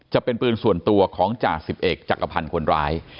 จะเป็นปืนส่วนตัวของจ่าสิบเอกจักรพันธ์คนร้าย